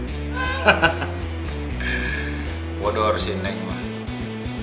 gue udah harusin neng mbah